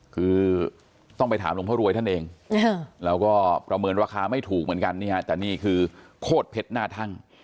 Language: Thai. คือต้องไปถามหลวงพ่อรวยท่านเองเราก็ประเมินราคาไม่ถูกเหมือนกันนี่ฮะแต่นี่คือโคตรเพชรหน้าทั่ง